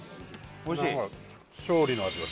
おいしい？